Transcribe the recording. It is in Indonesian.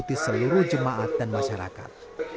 dan diikuti seluruh jemaat dan masyarakat